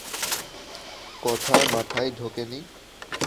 কথা মাথায় ঢোকেনি?